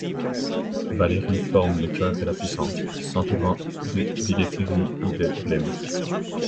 Vallery forme le cœur de la puissance, s'entourant de Villethierry et de Blennes.